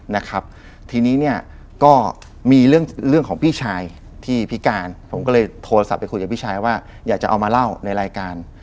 นะครับทีนี้เนี่ยก็มีเรื่องของพี่ชายที่พิการผมก็เลยโทรศัพท์ไปคุยกับพี่ชายว่าอยากจะเอามาเล่าในรายการ